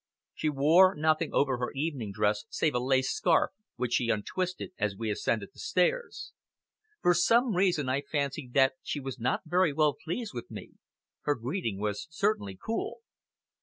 She wore nothing over her evening dress save a lace scarf, which she untwisted as we ascended the stairs. For some reason I fancied that she was not very well pleased with me. Her greeting was certainly cool.